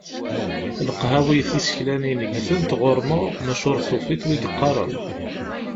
Leqhawi tiseklanin ggtent ɣur-neɣ, maca ur tufiḍ wi yeqqaren.